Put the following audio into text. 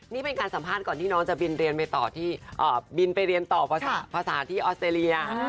นี่เป็นการสัมภาษณ์ก่อนที่น้องจะบินเรียนไปต่อที่บินไปเรียนต่อภาษาที่ออสเตรเลีย